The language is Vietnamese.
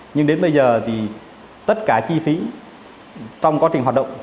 nhưng đến bây giờ thì tất cả chi phí trong quá trình hoạt động